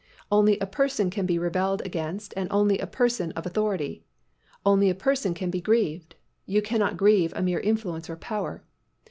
Only a person can be rebelled against and only a person of authority. Only a person can be grieved. You cannot grieve a mere influence or power.